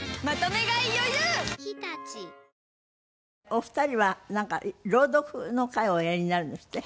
お二人はなんか朗読の会をおやりになるんですって？